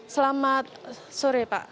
selamat sore pak